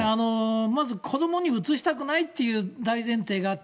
まず子どもにうつしたくないという大前提があって、